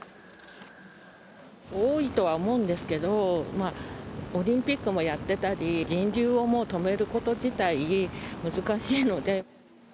多いとは思うんですけど、オリンピックもやってたり、人流をもう止めること自体、難しいので。